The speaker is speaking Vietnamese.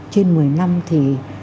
trên một mươi năm thì